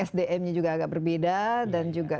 sdm nya juga agak berbeda dan juga